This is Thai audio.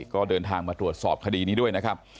ก็เดินทางมาตรวจสอบคดีนี้ด้วยนะครับ